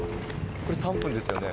これ３分ですよね。